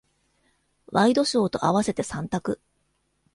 ワイドショーと合わせて三択。